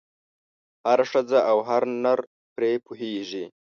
هره ښځه او هر نر پرې پوهېږي.